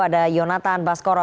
ada yonatan baskoro